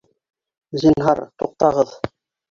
Зинһар, туҡтағыҙ!